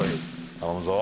頼むぞ。